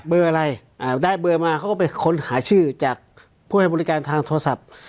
เบอร์อะไรได้เบอร์มาเขาก็ไปค้นหาชื่อจากผู้ให้บริการทางโทรศัพท์